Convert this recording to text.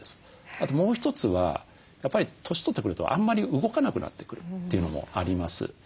あともう一つはやっぱり年取ってくるとあんまり動かなくなってくるというのもあります。